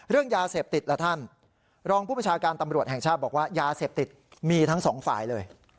เรื่องยาเสพติดล่ะท่านรองผู้ประชาการตำรวจแห่งชาติบอกว่ายาเสพติดมีทั้งสองฝ่ายเลย